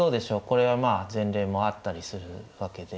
これはまあ前例もあったりするわけで。